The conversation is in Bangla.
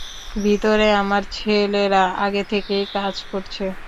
ভিতরে আমার ছেলেরা আগে থেকেই কাজ করছে।